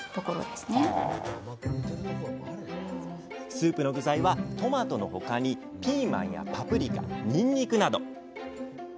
スープの具材はトマトの他にピーマンやパプリカにんにくなど。